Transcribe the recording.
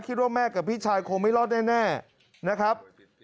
แม่กับพี่ชายคงไม่รอดแน่นะครับ